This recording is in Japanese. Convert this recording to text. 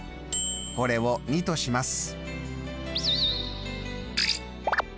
これを②とします。